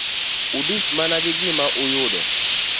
Udich mana gi gima uyudo.